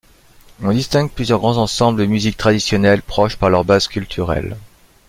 On distingue plusieurs grands ensembles de musiques traditionnelles, proches par leur bases culturelles.